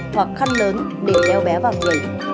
hoặc khăn lớn để đeo bé vào người